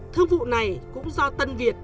thương vụ này cũng do tân việt